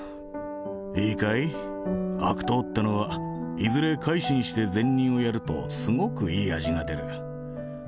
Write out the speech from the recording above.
いいかい、悪党ってのは、いずれ改心して善人をやると、すごくいい味が出る。